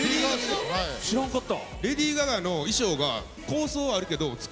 知らんかった。